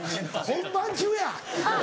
本番中や！